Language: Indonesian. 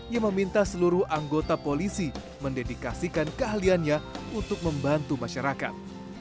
yang meminta seluruh anggota polisi mendedikasikan keahliannya untuk membantu masyarakat